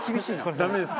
ダメですか？